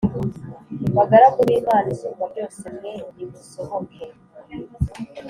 bagaragu b Imana Isumbabyose mwe nimusohoke